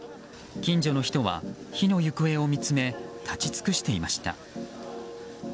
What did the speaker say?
近所の人は火の行方を見つめ立ち尽くしていました。